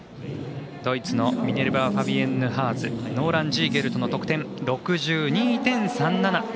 ドイツのミネルバファビエンヌ・ハーズノーラン・ジーゲルトの得点６２．３７。